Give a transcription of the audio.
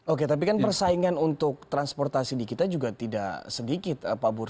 oke tapi kan persaingan untuk transportasi di kita juga tidak sedikit pak bur